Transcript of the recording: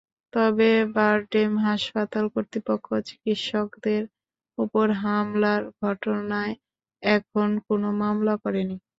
তবে বারডেম হাসপাতাল কর্তৃপক্ষ চিকিত্সকদের ওপর হামলার ঘটনায় এখনো কোনো মামলা করেনি।